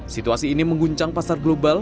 situasi ini mengguncang pasar global